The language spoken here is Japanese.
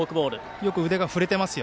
よく腕が振れてますよ。